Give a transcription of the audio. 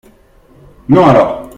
Non alors !